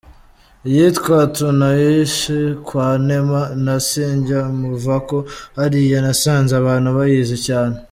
Iyitwa ’Tunaishi kwa Neema’ na ’Sijya Muvako’ hariya nasanze abantu bayizi cyane.